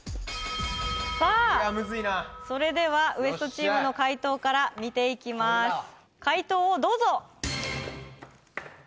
さあそれではＷＥＳＴチームの解答から見ていきます解答をどうぞ！